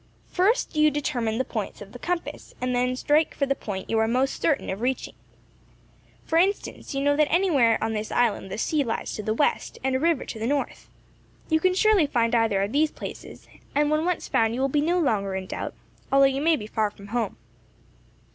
First do you determine the points of the compass, and then strike for the point you are most certain of reaching. For instance, you know that anywhere on this island the sea lies to the west, and a river to the north. You can surely find either of these places; and when once found you will be no longer in doubt, although you may be far from home."